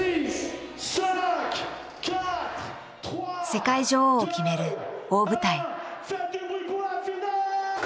世界女王を決める大舞台。